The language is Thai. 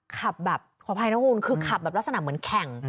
ขับแบบขออภัยนะคุณคือขับแบบลักษณะเหมือนแข่ง